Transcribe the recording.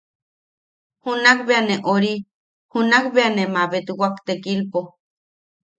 Junak bea ne ori... junak be ne mabetwak tekilpo.